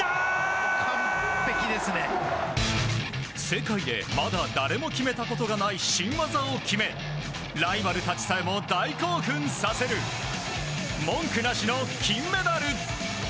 世界でまだ誰も決めたことがない新技を決めライバルたちさえも大興奮させる文句なしの金メダル！